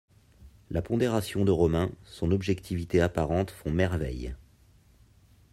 La pondération de Romain, son objectivité apparente font merveille.